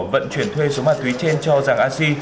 vận chuyển thuê số ma túy trên cho giang a si